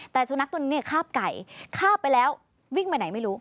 แต่สุนัขตัวนี้คาบไก่ข้าบไปแล้ววิ่งไปไหนไม่รู้